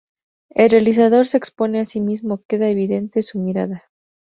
El realizador se expone a sí mismo, queda evidente su mirada.